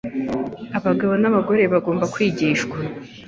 Abagabo n’abagore bagomba kwigishwa